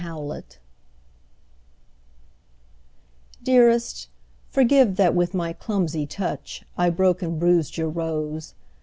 Stupidity Dearest, forgive that with my clumsy touch I broke and bruised your rose.